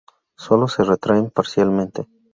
Sólo se retraen parcialmente.